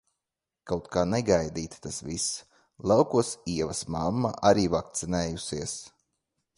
Kaut kā negaidīti tas viss! Laukos Ievas mamma arī vakcinējusies.